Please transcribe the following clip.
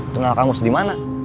kenal kamus dimana